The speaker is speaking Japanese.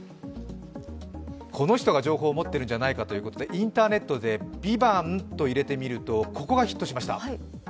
この人が情報を持ってるんじゃないかと思って、インターネットで「バビン」と入れてみると、ここがヒットしました。